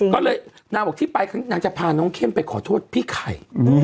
ก็เลยนางบอกที่ไปนางจะพาน้องเข้มไปขอโทษพี่ไข่